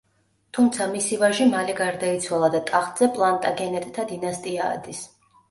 თუმცა მისი ვაჟი მალე გარდაიცვალა და ტახტზე პლანტაგენეტთა დინასტია ადის.